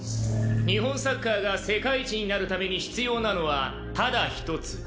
日本サッカーが世界一になるために必要なのはただ一つ。